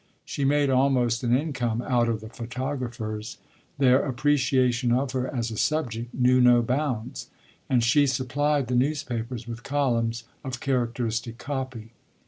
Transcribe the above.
She made almost an income out of the photographers their appreciation of her as a subject knew no bounds and she supplied the newspapers with columns of characteristic copy.